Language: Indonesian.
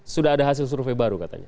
sudah ada hasil survei baru katanya